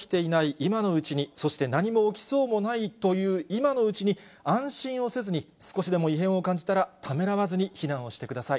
今のうちに、そして何も起きそうもないという今のうちに、安心をせずに、少しでも異変を感じたら、ためらわずに避難をしてください。